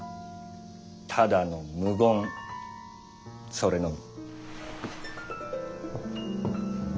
ただの無言それのみ。